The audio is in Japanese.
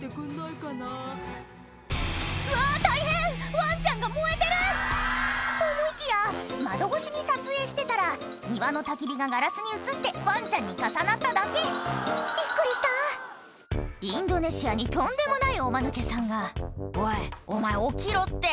ワンちゃんが燃えてる！と思いきや窓越しに撮影してたら庭のたき火がガラスに映ってワンちゃんに重なっただけびっくりしたインドネシアにとんでもないおマヌケさんが「おいお前起きろって」